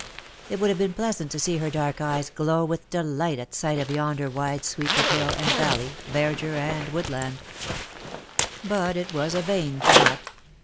It would have been pleasant to see her dark eyes glow with delight at sight of yonder wide sweep of hill and valley, ver dure and woodland. But it was a vain thought.